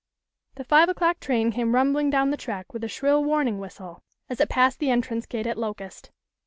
The five o'clock train came rumbling down the track with a shrill warning whistle, as it passed the entrance gate at Locust.